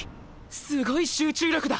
すごい集中力だ！